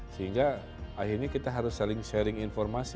sehingga akhirnya kita harus saling sharing informasi